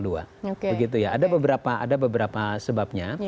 begitu ya ada beberapa sebabnya